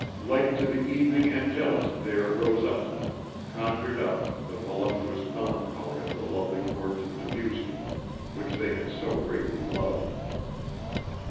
Like to the evening Angelus there rose up to them, conjured up, the voluptuous melancholy of the lovely chords of Debussy which they had so greatly loved.